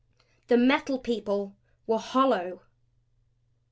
The Metal People were hollow!